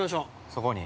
◆そこに？